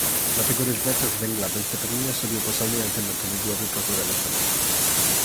Dlatego rezygnacja z węgla bez zapewnienia sobie opłacalnej alternatywy byłaby pozbawiona sensu